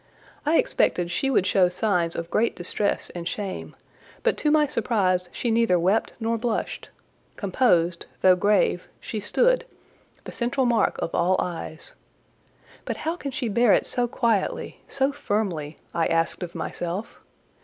I expected she would show signs of great distress and shame; but to my surprise she neither wept nor blushed: composed, though grave, she stood, the central mark of all eyes. "How can she bear it so quietly—so firmly?" I asked of myself.